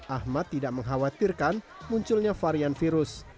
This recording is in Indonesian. ahmad tidak mengkhawatirkan munculnya varian virus